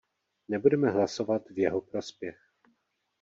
Nebudeme hlasovat v jeho prospěch.